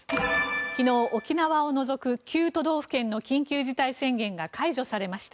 昨日、沖縄を除く９都道府県の緊急事態宣言が解除されました。